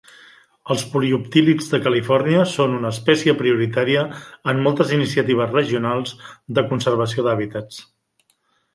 Els polioptílids de Califòrnia són una espècie prioritària en moltes iniciatives regionals de conservació d'hàbitats.